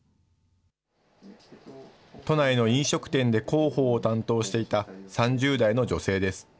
都内の飲食店で広報を担当していた３０代の女性です。